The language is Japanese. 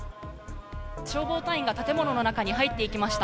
消防隊員が建物の中に入っていきました。